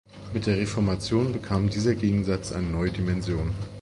Mit der Reformation bekam dieser Gegensatz eine neue Dimension.